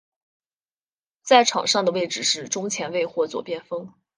在场上的位置是中前卫或左边锋。